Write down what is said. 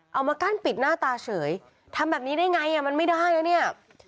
เอามากั้นปิดหน้าตาเฉยทำแบบนี้ได้ไงอ่ะมันไม่ได้แล้วเนี่ย